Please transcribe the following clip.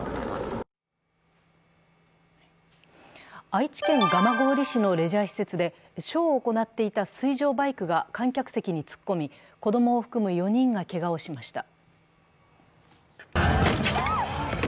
愛知県蒲郡市のレジャー施設でショーを行っていた水上バイクが観客席に突っ込み、子供を含む４人がけがをしました。